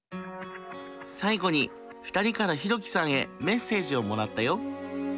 最後に２人からヒロキさんへメッセージをもらったよ。